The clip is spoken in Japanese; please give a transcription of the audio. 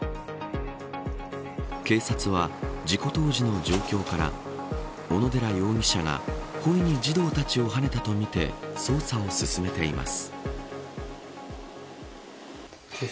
警察は事故当時の状況から小野寺容疑者が故意に児童たちをはねたと見て捜査を進めています。